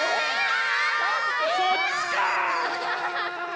そっちか！